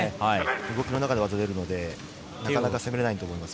動きの中で技が出るので、なかなか攻められないと思います。